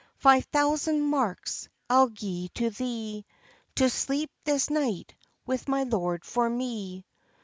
"Five thousand marks I'll gie to thee, To sleep this night with my lord for me."